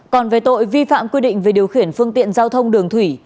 còn về tội vi phạm quy định về điều khiển phương tiện giao thông đường thủy